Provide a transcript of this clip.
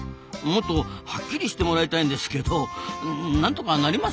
もっとはっきりしてもらいたいんですけど何とかなりませんかねえ？